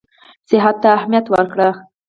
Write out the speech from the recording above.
صحت ته اهمیت ورکړي.